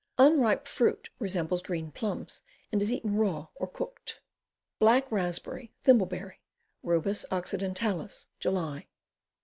Unripe fruit resembles green plums, and is eaten raw or cooked. Black Raspberry. Thimble berry. Rubus occidentalis. July.